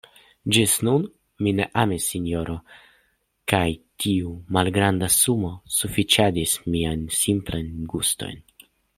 Ĝis nun, mi ne amis, sinjoro, kaj tiu malgranda sumo sufiĉadis miajn simplajn gustojn.